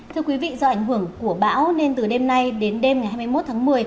thưa quý vị do ảnh hưởng của bão nên từ đêm nay đến đêm ngày hai mươi một tháng một mươi